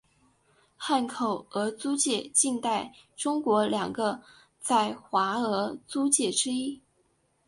汉口俄租界近代中国两个在华俄租界之一。